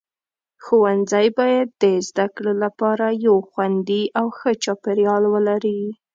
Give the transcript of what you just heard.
ښوونځي باید د زده کړې لپاره یو خوندي او ښه چاپیریال ولري.